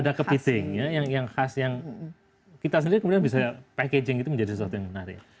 ada kepiting yang khas yang kita sendiri kemudian bisa packaging itu menjadi sesuatu yang menarik